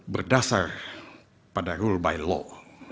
berdasar pada rule by law